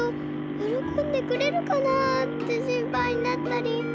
よろこんでくれるかなって心配になったり。